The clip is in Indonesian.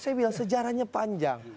saya bilang sejarahnya panjang